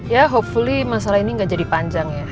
ya hopefully masalah ini gak jadi panjang ya